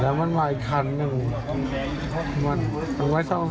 แล้วมันมาอีกครั้นนึงยังไม่ซ่องนะสิ